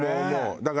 だから。